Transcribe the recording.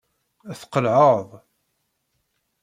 Tqelɛeḍ.